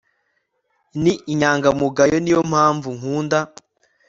Ni inyangamugayo Niyo mpamvu nkunda